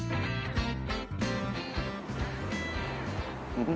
うん？